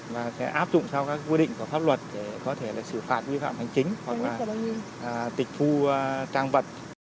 và sẽ áp dụng theo các quy định của pháp luật để có thể xử phạt nguyên phạm hành chính hoặc tịch thu trang vật